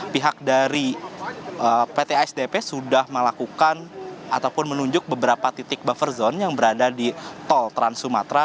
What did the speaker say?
pihak dari pt asdp sudah melakukan ataupun menunjuk beberapa titik buffer zone yang berada di tol trans sumatra